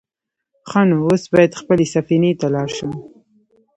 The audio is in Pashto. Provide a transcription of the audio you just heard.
_ښه نو، اوس بايد خپلې سفينې ته لاړ شم.